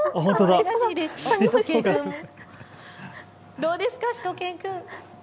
どうですか、しゅと犬くん。